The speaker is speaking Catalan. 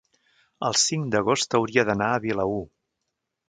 el cinc d'agost hauria d'anar a Vilaür.